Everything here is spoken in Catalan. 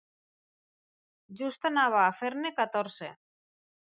Just anava a fer-ne catorze.